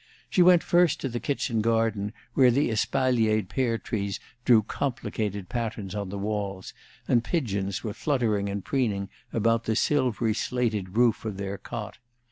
She went first to the kitchen garden, where the espaliered pear trees drew complicated patterns on the walls, and pigeons were fluttering and preening about the silvery slated roof of their cot.